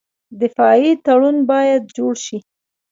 دفاعي تړون باید جوړ شي.